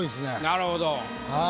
なるほど。